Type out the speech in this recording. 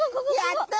やった！